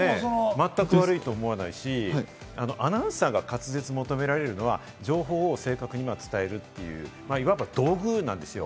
まったく悪いと思わないし、アナウンサーが滑舌を求められるのは情報を正確に伝えるっていう、いわば道具なんですよ。